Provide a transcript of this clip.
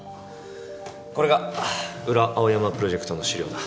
これが裏青山プロジェクトの資料だ。